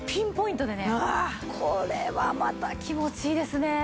これはまた気持ちいいですね。